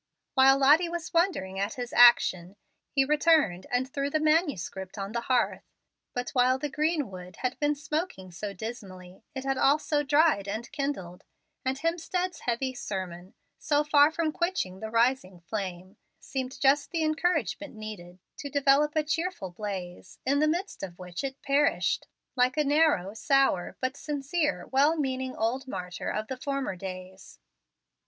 While Lottie was wondering at his action, he returned and threw the manuscript on the hearth. But while the green wood had been smoking so dismally, it had also dried and kindled; and Hemstead's heavy sermon, so far from quenching the rising flame, seemed just the encouragement needed to develop a cheerful blaze, in the midst of which it perished, like a narrow, sour, but sincere, well meaning old martyr of former days.